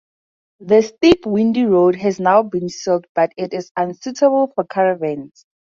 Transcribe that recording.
The steep windy road has now been sealed, but it is unsuitable for caravans.